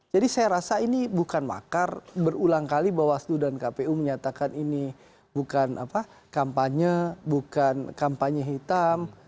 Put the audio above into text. jadi saya rasa ini bukan makar berulang kali bahwa sdu dan kpu menyatakan ini bukan kampanye bukan kampanye hitam